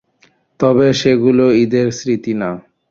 তবে সেগুলো ঈদের স্মৃতি না।